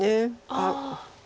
あっ。